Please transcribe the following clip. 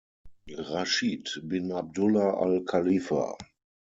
Rashid bin Abdulla Al Khalifa.